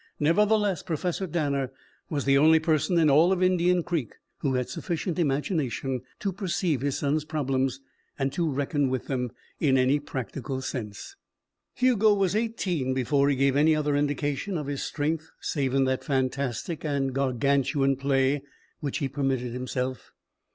Nevertheless, Professor Danner was the only person in all of Indian Creek who had sufficient imagination to perceive his son's problems and to reckon with them in any practical sense. Hugo was eighteen before he gave any other indication of his strength save in that fantastic and Gargantuan play which he permitted himself.